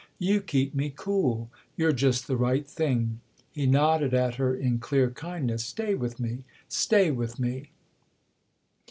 You keep me cool you're just the right thing." He nodded at her in clear kindness. " Stay with me stay with me